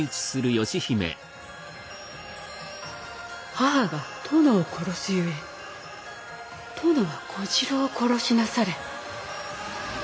母が殿を殺すゆえ殿は小次郎を殺しなされ。